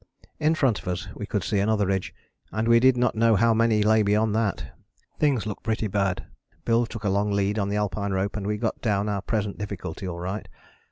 "In front of us we could see another ridge, and we did not know how many lay beyond that. Things looked pretty bad. Bill took a long lead on the Alpine rope and we got down our present difficulty all right.